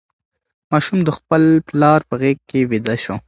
ماشوم د خپل پلار په غېږ کې ویده شو.